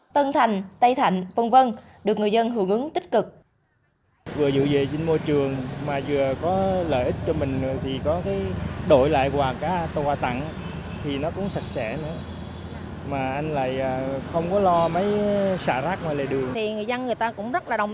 tân thành tây thành v v được người dân hưởng ứng tích cực